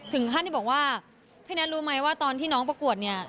ถึงขั้นที่บอกว่าพี่แน็ตรู้ไหมว่าตอนที่น้องประกวดเนี่ย